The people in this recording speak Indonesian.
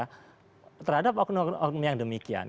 karena terhadap oknum oknum yang demikian